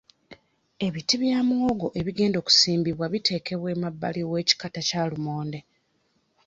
Ebiti bya muwogo ebigenda okusimbibwa biteekebwa emabbali w'ekikata kya limonde.